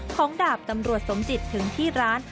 ดาบตำรวจสมจิตถึงที่ร้าน